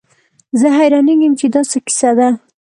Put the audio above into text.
زه حيرانېږم چې دا څه کيسه ده.